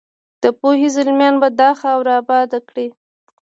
د پوهې زلمیان به دا خاوره اباده کړي.